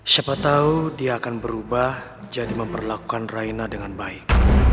siapa tahu dia akan berubah jadi memperlakukan raina dengan baik